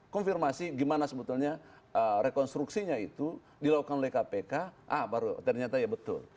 konfirmasi gimana sebetulnya rekonstruksinya itu dilakukan oleh kpk ah baru ternyata ya betul